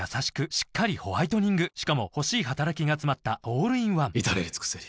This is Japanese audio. しっかりホワイトニングしかも欲しい働きがつまったオールインワン至れり尽せり